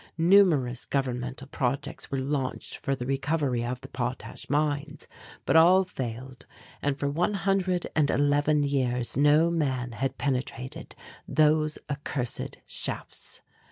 Numerous governmental projects were launched for the recovery of the potash mines but all failed, and for one hundred and eleven years no man had penetrated those accursed shafts.